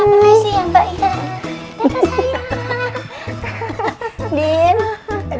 terima kasih ya mbak ya